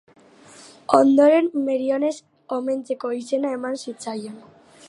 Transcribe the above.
Ondoren Meriones omentzeko izena eman zitzaion.